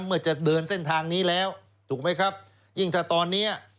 เมื่อจะเดินเส้นทางนี้แล้วถูกไหมครับยิ่งถ้าตอนเนี้ย